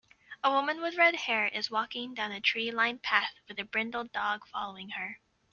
A woman with redhair is walking down a tree lined path with a brindled dog following her.